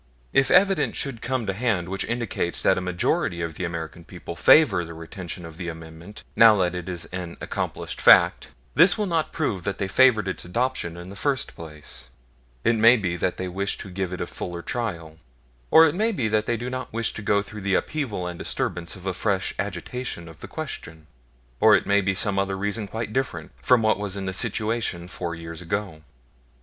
If evidence should come to hand which indicates that a majority of the American people favor the retention of the Amendment now that it is an accomplished fact, this will not prove that they favored its adoption in the first place; it may be that they wish to give it a fuller trial, or it may be that they do not wish to go through the upheaval and disturbance of a fresh agitation of the question or it may be some other reason quite different from what was in the situation four years ago.